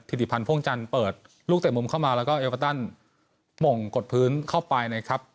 ธิริพันธ์พ่วงจันทร์เปิดลูกเตะมุมเข้ามาแล้วก็เอลกาตันหม่งกดพื้นเข้าไปนะครับ